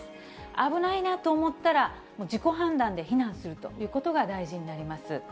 危ないなと思ったら、自己判断で避難するということが大事になります。